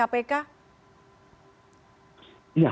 ya saya kira secepatnya